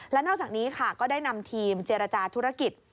และนอกจากนี้ค่ะก็ได้นำทีมเจรจาธุรกิจ